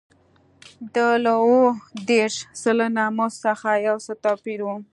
دا له اووه دېرش سلنه مزد څخه یو څه ډېر و